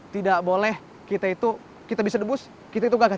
tidak boleh kita itu kita bisa debus kita itu tugaskan